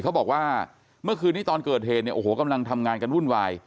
เขาบอกว่าเมื่อคืนนี้ตอนเกิดเหตุเนี่ยโอ้โหกำลังทำงานกันวุ่นวาย